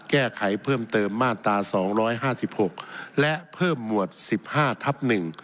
แก้ไขเพิ่มเติมมาตรา๒๕๖และเพิ่มหมวด๑๕ทับ๑